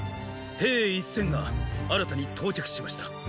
兵一千が新たに到着しました。